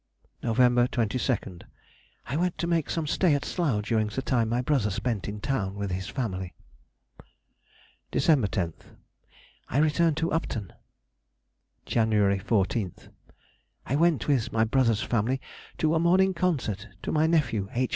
November 22nd.—I went to make some stay at Slough during the time my brother spent in town with his family. December 10th.—I returned to Upton. January 14th.—I went, with my brother's family, to a morning concert, to my nephew, H.